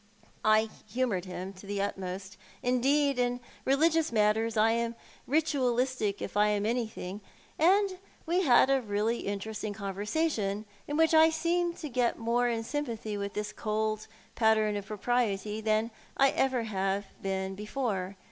I humoured him to the utmost— indeed, in religious matters I am ritualistic if I am anything— and we had a really interesting conversation, in which I seemed to get more in sympathy with this cold pattern of propriety than I have ever been before.